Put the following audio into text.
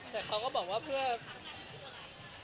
แต่เขาก็บอกว่าเพื่อ